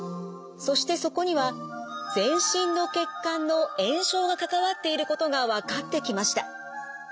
そしてそこには全身の血管の炎症が関わっていることが分かってきました。